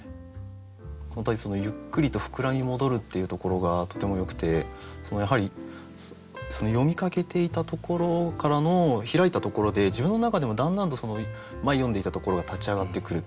本当に「ゆっくりとふくらみ戻る」っていうところがとてもよくてやはり読みかけていたところからの開いたところで自分の中でもだんだんと前読んでいたところが立ち上がってくる。